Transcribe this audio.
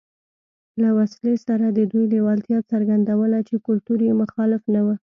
له وسلې سره د دوی لېوالتیا څرګندوله چې کلتور یې مخالف نه و